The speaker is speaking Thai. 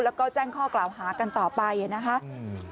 แล้วก็แจ้งข้อกล่าวหากันต่อไปนะคะ